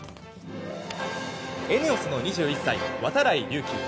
ＥＮＥＯＳの２１歳度会隆輝。